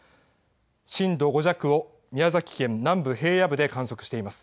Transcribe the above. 震度５弱を宮崎県南部、平野部で観測しています。